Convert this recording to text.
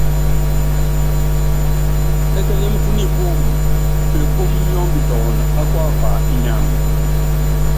Ékélém kú nipúum, pepúúmi nyɔ́mbiton á kuapa inyam.